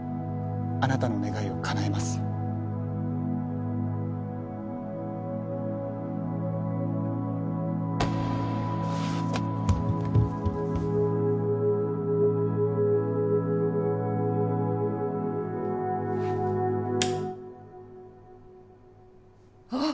あなたの願いをかなえますあっ！